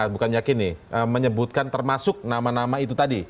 bukan meyakini menyebutkan termasuk nama nama itu tadi